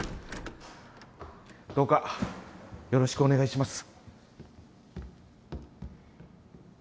どうかよろしくお願いします。